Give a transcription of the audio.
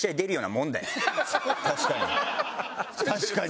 確かに。